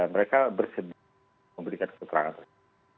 mereka bersedia memberikan keterangan